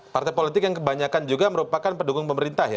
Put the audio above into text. partai politik yang kebanyakan juga merupakan pendukung pemerintah ya